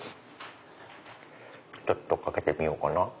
ちょっとかけてみようかな。